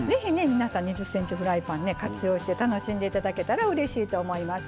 皆さん２０ｃｍフライパンね活用して楽しんで頂けたらうれしいと思います。